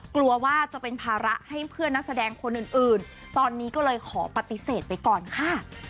กลัวว่าจะเป็นภาระให้เพื่อนนักแสดงคนอื่นตอนนี้ก็เลยขอปฏิเสธไปก่อนค่ะ